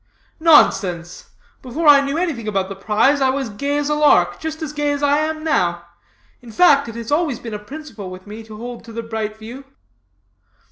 "Nonsense! before I knew anything about the prize I was gay as a lark, just as gay as I am now. In fact, it has always been a principle with me to hold to the bright view.'